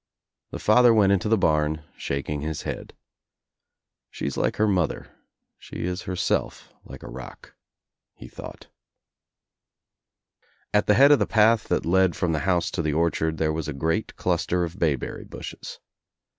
The father went into the barn shaking his head. "She's like her mother. She is herself like a rock," he thought. At the head of the path that led from the house to the orchard there was a great cluster of bayberry bushes.